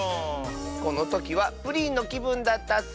このときはプリンのきぶんだったッス。